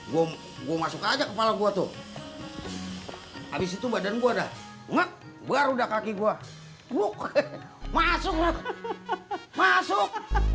bom gua masuk aja kepala gua tuh habis itu badan gua dah ngek baru udah kaki gua buka masuk masuk